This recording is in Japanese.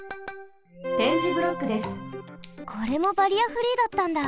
これもバリアフリーだったんだ。